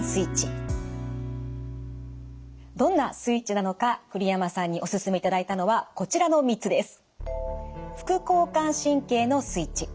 どんなスイッチなのか栗山さんにおすすめいただいたのはこちらの３つです。